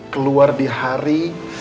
keluar di hari